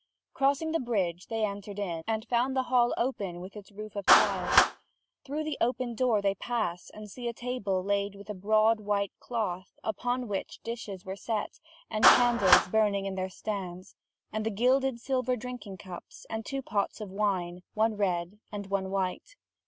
Crossing the bridge, they entered in, and found the hall open with its roof of tiles. Through the open door they pass, and see a table laid with a broad white cloth, upon which the dishes were set, and the candles burning in their stands, and the gilded silver drinking cups, and two pots of wine, one red and one white.